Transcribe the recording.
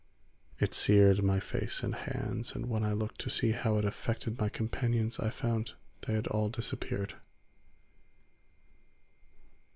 It seared my face and hands, and when I looked to see how it affected my companions I found they had all disappeared.